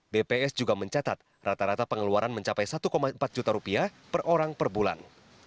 bps juga mencatat rata rata pengeluaran mencapai satu empat juta rupiah per orang per bulan